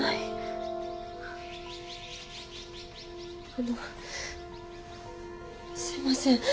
あのすいません私その。